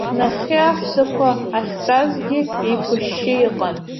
Нахьхьи аҳәсақәа ахьтәазгьы еиқәышьшьы иҟан.